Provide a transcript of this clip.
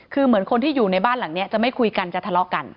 คือเหมือนคนที่อยู่ในบ้านหลังนี้จะไม่คุยกันจะทะเลาะกัน